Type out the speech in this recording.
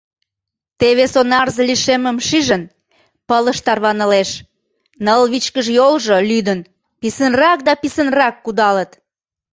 Теве сонарзе лишеммым шижын, пылыш тарванылеш, ныл вичкыж йолжо, лӱдын, писынрак да писынрак кудалыт.